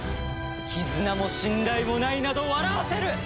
絆も信頼もないなど笑わせる！